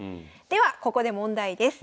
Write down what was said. ではここで問題です。